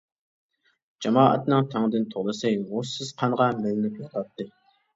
جامائەتنىڭ تەڭدىن تولىسى ھوشسىز قانغا مىلىنىپ ياتاتتى.